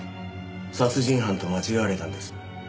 殺人犯と間違われたんです。